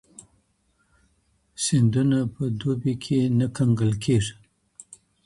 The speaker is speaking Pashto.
سیندونه په دوبي کي نه کنګل کېږي.